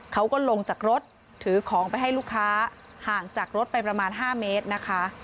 เขาก็ลงจากรถถือของไปให้ลูกค้าห่างจากรถไปประมาณ๕เมตรนะคะ